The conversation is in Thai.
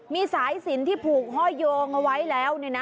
มีสายสินที่ผูกห้อยโยงเอาไว้แล้ว